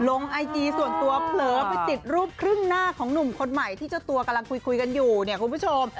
ลงไอจีส่วนตัวเผลอไปติดรูปครึ่งหน้าของหนุ่มคนใหม่ที่เจ้าตัวกำลังคุยกันอยู่เนี่ยคุณผู้ชม